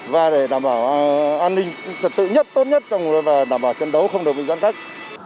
và để đảm bảo an ninh trật tự nhất tốt nhất và đảm bảo trận đấu không được giãn cách